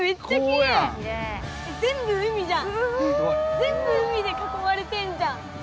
全部海で囲まれてんじゃん！